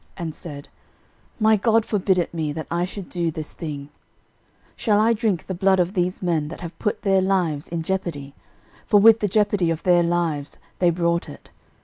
13:011:019 And said, My God forbid it me, that I should do this thing: shall I drink the blood of these men that have put their lives in jeopardy? for with the jeopardy of their lives they brought it.